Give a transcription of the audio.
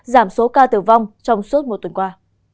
giảm số ca tử vong trong suốt một tuần qua